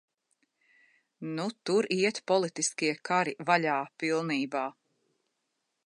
Nu tur iet politiskie kari vaļā pilnībā.